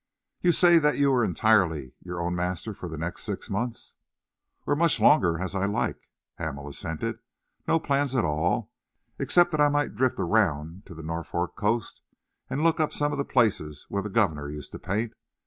"You say that you are entirely your own master for the next six months?" "Or as much longer as I like," Hamel assented. "No plans at all, except that I might drift round to the Norfolk coast and look up some of the places where the governor used to paint.